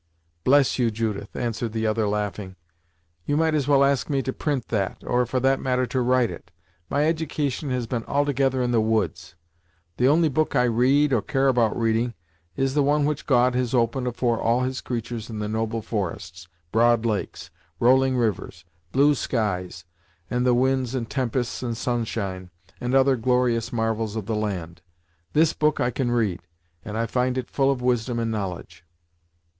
"Bless you, Judith!" answered the other laughing, "you might as well ask me to print that or, for that matter to write it. My edication has been altogether in the woods; the only book I read, or care about reading, is the one which God has opened afore all his creatur's in the noble forests, broad lakes, rolling rivers, blue skies, and the winds and tempests, and sunshine, and other glorious marvels of the land! This book I can read, and I find it full of wisdom and knowledge."